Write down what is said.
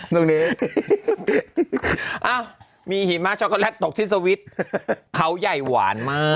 ตรงนี้มีหิมะช็อกโกแลตตกที่สวิตช์เขาใหญ่หวานมาก